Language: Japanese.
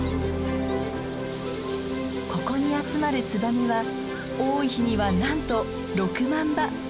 ここに集まるツバメは多い日にはなんと６万羽。